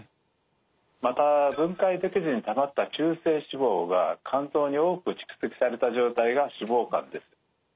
また分解できずにたまった中性脂肪が肝臓に多く蓄積された状態が脂肪肝です。